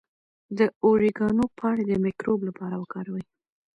د اوریګانو پاڼې د مکروب لپاره وکاروئ